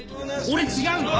俺違うの。